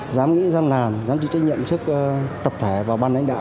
dám nghĩ dám làm dám chịu trách nhiệm trước tập thể và ban lãnh đạo